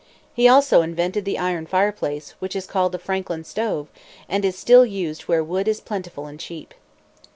He also invented the iron fireplace, which is called the Franklin stove, and is still used where wood is plentiful and cheap.